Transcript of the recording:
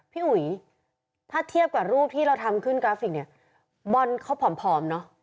พี่อุ๋ยถ้าเทียบกับรูปที่เราทำขึ้นกราฟิกเนี่ยบอลเขาผอมเนอะ